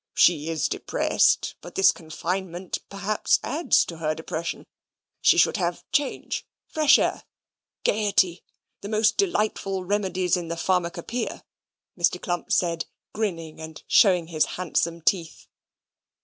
She is depressed, but this confinement perhaps adds to her depression. She should have change, fresh air, gaiety; the most delightful remedies in the pharmacopoeia," Mr. Clump said, grinning and showing his handsome teeth.